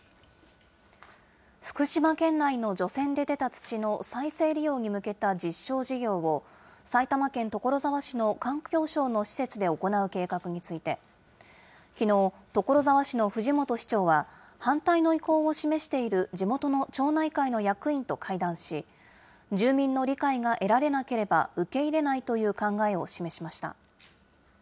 福島県内の除染で出た土の再生利用に向けた実証事業を埼玉県所沢市の環境省の施設で行う計画について、きのう、所沢市の藤本市長は、反対の意向を示している地元の町内会の役員と会談し、住民の理解が得られなければ、受け入れないという考えを示しました。